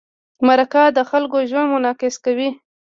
مرکه د خلکو ژوند منعکسوي.